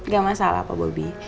gak masalah pak bobi